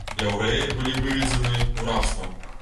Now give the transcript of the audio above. Яўрэі былі выведзены ў рабства.